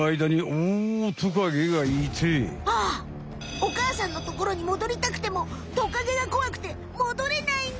お母さんのところにもどりたくてもトカゲがこわくてもどれないんだ！